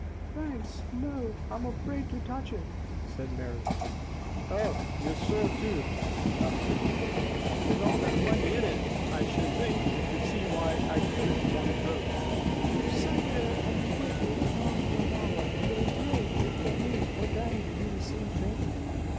"Thanks, no! I'm afraid to touch it," said Mary. "Oh, you are sore too!" laughed Jimmy. "With all that money in it, I should think you could see why I wouldn't want it broke." "You've sat there and whipped it around for an hour. Would it break it for me or Dannie to do the same thing?